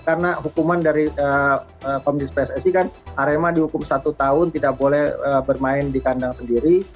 karena hukuman dari komunis pssi kan arema dihukum satu tahun tidak boleh bermain di kandang sendiri